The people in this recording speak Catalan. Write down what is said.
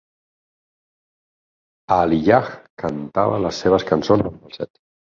Aaliyah cantava les seves cançons en falset.